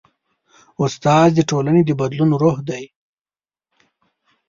استاد د ټولنې د بدلون روح دی.